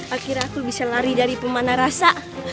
akhirnya aku bisa lari dari pemana rasa